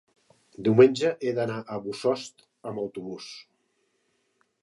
diumenge he d'anar a Bossòst amb autobús.